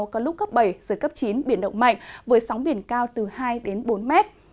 có lúc cấp bảy giữa cấp chín biển động mạnh với sóng biển cao từ hai bốn mét